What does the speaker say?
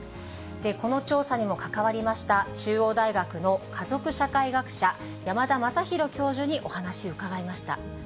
この調査にも関わりました、中央大学の家族社会学者、山田昌弘教授にお話伺いました。